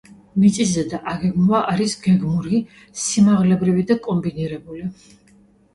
მიწისზედა აგეგმვა არის გეგმური, სიმაღლებრივი და კომბინირებული.